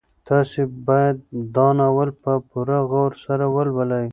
تاسو باید دا ناول په پوره غور سره ولولئ.